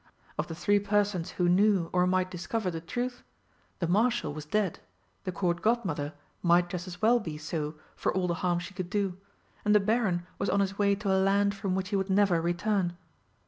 Of the three persons who knew or might discover the truth, the Marshal was dead, the Court Godmother might just as well be so for all the harm she could do, and the Baron was on his way to a land from which he would never return.